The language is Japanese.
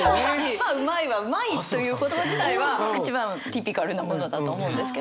まあ「うまい」は「うまい」という言葉自体は一番ティピカルなものだと思うんですけど。